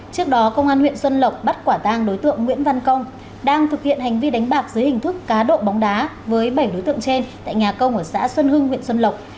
trước đó công an huyện xuân lộc bắt quả tang đối tượng nguyễn văn công đang thực hiện hành vi đánh bạc dưới hình thức cá độ bóng đá với bảy đối tượng trên tại nhà công ở xã xuân hưng huyện xuân lộc